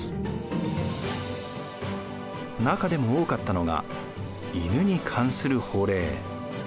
中でも多かったのが犬に関する法令。